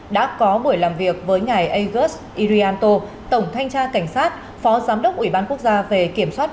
đã có buổi làm việc với ngài agus irianto tổng thanh tra cảnh sát phó giám đốc ủy ban quốc gia về kiểm soát